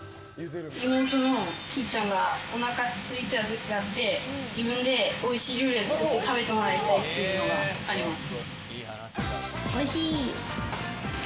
妹のひーちゃんがおなかがすいた時があって自分でおいしい料理を作って食べてもらいたいっていうのがあります。